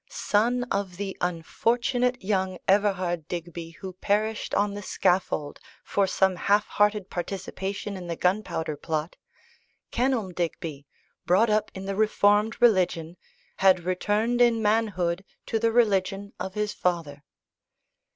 Son of the unfortunate young Everard Digby who perished on the scaffold for some half hearted participation in the Gunpowder Plot, Kenelm Digby, brought up in the reformed religion, had returned in manhood to the religion of his father.